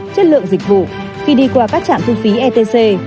chất lượng dịch vụ khi đi qua các trạm thu phí etc